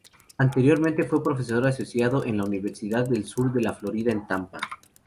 Anteriormente fue Profesor Asociado en la Universidad del Sur de la Florida en Tampa.